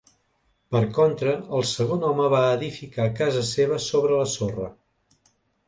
Per contra el segon home va edificar casa seva sobre la sorra.